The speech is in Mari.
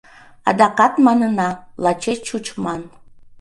Адакат манына: лачеш чучман.